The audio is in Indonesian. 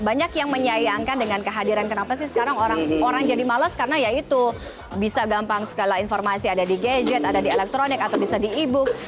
banyak yang menyayangkan dengan kehadiran kenapa sih sekarang orang jadi males karena ya itu bisa gampang segala informasi ada di gadget ada di elektronik atau bisa di e book